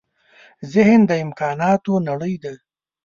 ذهن د امکانونو نړۍ ده.